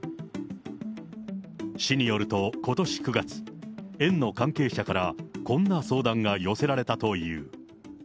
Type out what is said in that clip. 市によると、ことし９月、園の関係者から、こんな相談が寄せられたという。